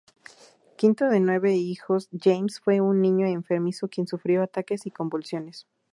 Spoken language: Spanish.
Quinto de nueve hijos, James fue un niño enfermizo quien sufrió ataques y convulsiones.